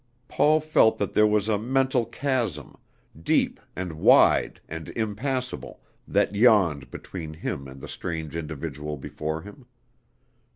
Paul felt that there was a mental chasm, deep and wide and impassable, that yawned between him and the strange individual before him.